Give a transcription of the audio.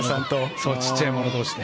そうちっちゃい者同士で。